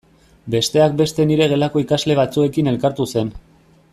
Besteak beste nire gelako ikasle batzuekin elkartu zen.